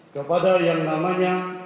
kepada yang namanya